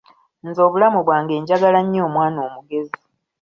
Nze obulamu bwange njagala nnyo omwana omugezi.